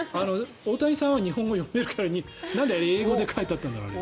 大谷さんは日本語読めるからなんで英語で書いてあったんだろうね。